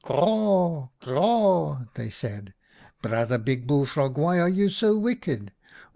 "' Craw, craw !' they said, * Brother Big Bullfrog, why are you so wicked